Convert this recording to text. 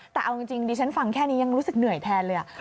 แต่เอาจริงดิฉันฟังแค่นี้ยังรู้สึกเหนื่อยแทนเลย